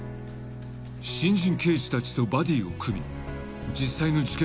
［新人刑事たちとバディを組み実際の事件